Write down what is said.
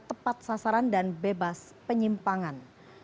tepat sasaran dan bebas penyimpangan